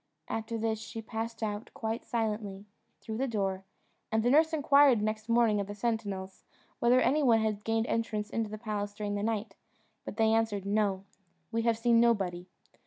After this she passed out, quite silently, through the door; and the nurse inquired next morning of the sentinels whether any one had gained entrance into the palace during the night, but they answered, "No we have seen nobody."